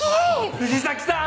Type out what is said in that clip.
藤崎さん！